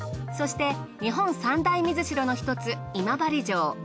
そして日本三大水城の一つ今治城。